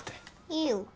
いいよ。